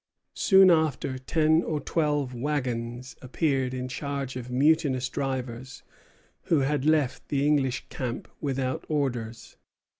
Soon after, ten or twelve wagons appeared in charge of mutinous drivers, who had left the English camp without orders.